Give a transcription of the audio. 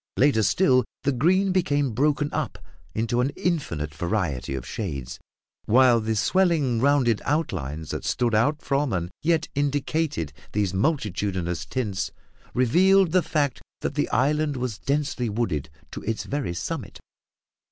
Later still, the green became broken up into an infinite variety of shades; while the swelling rounded outlines that stood out from and yet indicated these multitudinous tints, revealed the fact that the island was densely wooded to its very summit.